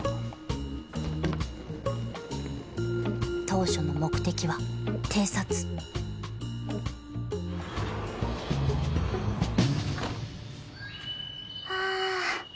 当初の目的は偵察あ。